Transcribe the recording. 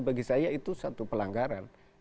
bagi saya itu satu pelanggaran